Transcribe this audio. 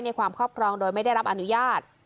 ความครอบครองโดยไม่ได้รับอนุญาต